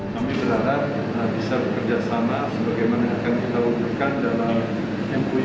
kami berharap bisa bekerjasama sebagaimana akan kita umurkan dalam mpu